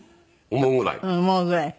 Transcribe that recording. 思うぐらい。